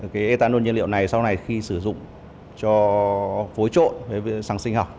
cái ethanol nhiên liệu này sau này khi sử dụng cho phối trộn với xăng sinh học